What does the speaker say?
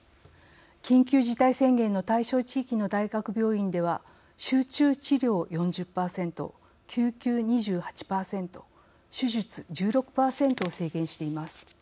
緊急事態宣言の対象地域の大学病院では集中治療４０％、救急２８％手術１６％を制限しています。